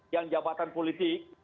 yang jabatan politik